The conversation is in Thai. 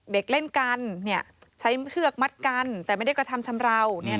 เด็กเล่นกันใช้เชือกมัดกันแต่ไม่ได้กระทำชำราว